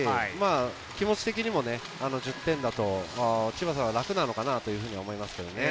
気持ち的にも１０点だと千葉さんは楽なのかなと思います。